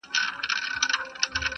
دغريب نه چې څرمن اوباسي حد دے